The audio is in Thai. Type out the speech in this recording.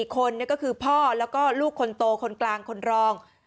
๔คนก็คือพ่อแล้วก็ลูกคนโตคนกลางคนรอง